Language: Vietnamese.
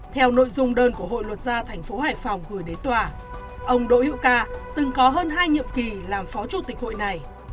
theo nội dung đơn của hội luật gia thành phố hải phòng gửi đến tòa ông đỗ hữu ca từng có hơn hai nhiệm kỳ làm phó chủ tịch hội này